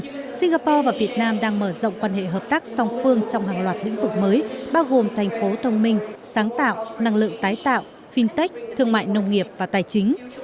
trong đó singapore và việt nam đang mở rộng quan hệ hợp tác song phương trong hàng loạt lĩnh vực mới bao gồm thành phố thông minh sáng tạo năng lượng tái tạo fintech thương mại nông nghiệp và tài chính